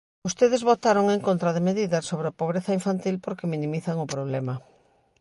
Vostedes votaron en contra de medidas sobre a pobreza infantil porque minimizan o problema.